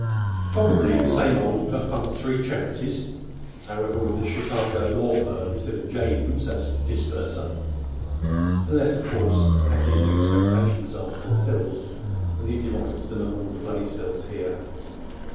Probably the same old perfunctory charities, however, with the Chicago law firm instead of 'James' as disburser—unless, of course, Hattie's expectations are fulfilled, and he divides them among the Blaisdells here."